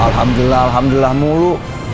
alhamdulillah alhamdulillah mulu